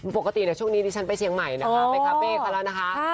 ปกติช่วงนี้ดิฉันไปเชียงใหม่ไปคาเฟ่ก็แล้ว